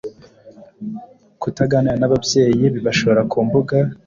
Kutaganira n’ababyeyi bibashora ku mbuga